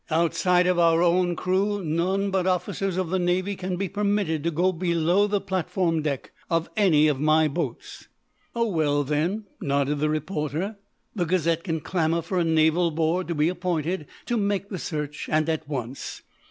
Outside of our own crew none but officers of the Navy can be permitted to go below the platform deck of any of my boats." "Oh, well, then," nodded the reporter, "the 'Gazette' can clamor for a naval board to be appointed to make the search, and at once.